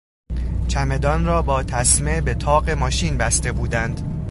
چمدان را با تسمه به طاق ماشین بسته بودند.